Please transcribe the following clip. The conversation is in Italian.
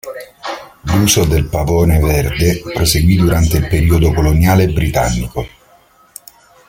L'uso del pavone verde proseguì durante il periodo coloniale britannico.